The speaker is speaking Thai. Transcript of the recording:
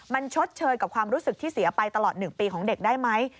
มันชดเชยกับความรู้สึกที่เสียไปตลอด๑ปีของเด็กได้ไหม